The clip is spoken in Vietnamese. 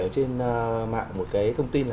trên mạng một cái thông tin là